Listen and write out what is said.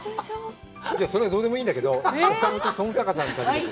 それはどうでもいいんだけど、岡本知高さんの旅です。